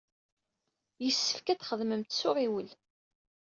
Yessefk ad txedmemt s uɣiwel.